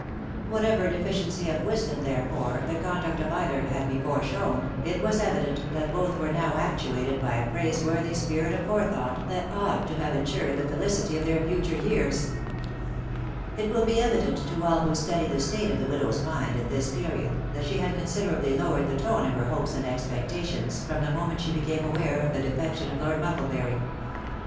Whatever deficiency of wisdom, therefore, the ccaidnct4f either had before shown, it was evident that both wexe now actuated by a praiseworthy Bpirit of forethought that ought t» have insured the felicity of their future years. It will be evident to all who study the state of the wsatar'i mind at this period, that she had considerably lowered she tone of her hopes and expectations from the moment she hnmmr aware of the defection of Lord Mucklebury.